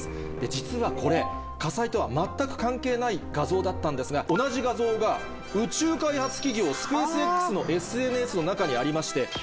実はこれ火災とは全く関係ない画像だったんですが同じ画像が宇宙開発企業スペースＸのＳＮＳの中にありまして。